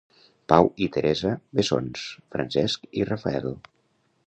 Pau i Teresa, bessons, Francesc i Rafael.